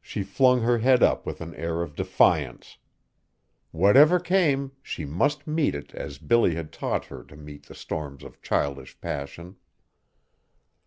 She flung her head up with an air of defiance. Whatever came, she must meet it as Billy had taught her to meet the storms of childish passion.